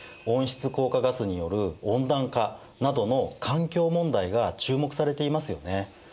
温室効果ガスによる温暖化などの環境問題が注目されていますよね。